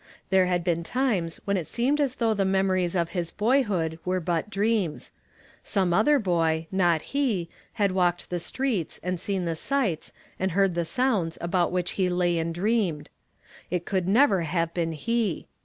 There had been times when it seemed as though the memories of liis boyhood were but dreams ; some other boy, not he, had walked the streets, and seen the sights and heard the sounds about which he lay and dreamed; it could never have been he